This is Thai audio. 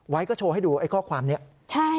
ก็โชว์ให้ดูไอ้ข้อความนี้ใช่